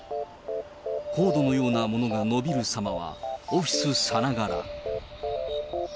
コードのようなものが伸びるさまはオフィスさながら。